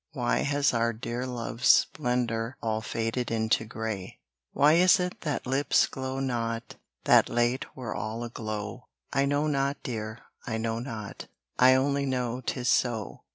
Why has our dear love's splendour All faded into gray? Why is it that lips glow not That late were all aglow? I know not, dear, I know not, I only know 'tis so.